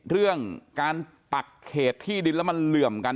เรื่องการปักเขตที่ดินแล้วมันเหลื่อมกัน